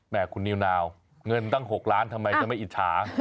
คุณนิวนาวเงินตั้ง๖ล้านทำไมจะไม่อิจฉา